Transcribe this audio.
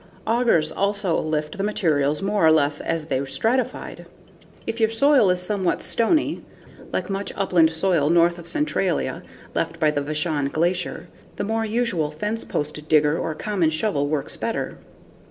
Augers also lift the materials more or less as they are stratified. If your soil is somewhat stony (like much upland soil north of Centralia left by the Vashon Glacier), the more usual fence post digger or common shovel works better.